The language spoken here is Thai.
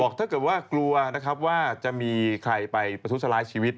ถ้าเกิดว่ากลัวนะครับว่าจะมีใครไปประทุษร้ายชีวิต